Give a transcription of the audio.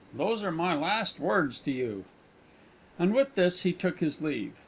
Those are my last words to you!" And with this he took his leave.